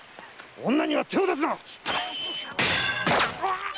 女には手を出すな！